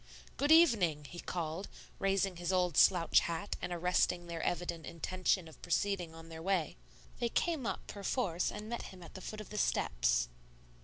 "Good evening," he called, raising his old slouch hat and arresting their evident intention of proceeding on their way. They came up, perforce, and met him at the foot of the steps.